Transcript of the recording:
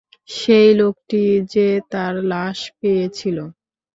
সেই লোকটি যে তার লাশ পেয়েছিলো।